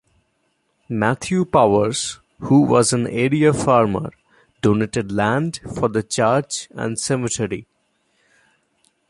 Matthew Powers, who was an area farmer, donated land for the church and cemetery.